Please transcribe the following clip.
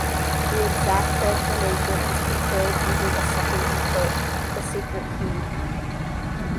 The exact transformation is controlled using a second input - the secret key.